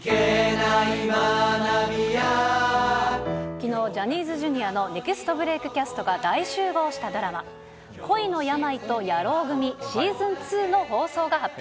きのう、ジャニーズＪｒ．のネクストブレークキャスト大集合したドラマ、恋の病と野郎組シーズン２の放送が発表。